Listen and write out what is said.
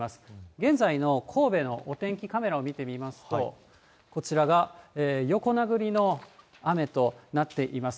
現在の神戸のお天気カメラを見てみますと、こちらが横殴りの雨となっています。